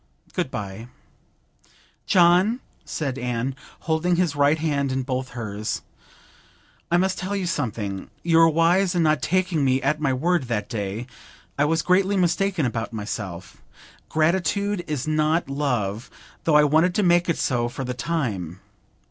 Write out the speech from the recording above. Good bye!' 'John,' said Anne, holding his right hand in both hers, 'I must tell you something. You were wise in not taking me at my word that day. I was greatly mistaken about myself. Gratitude is not love, though I wanted to make it so for the time.